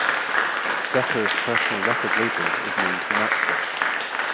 Decker's personal record label is named GnatFish.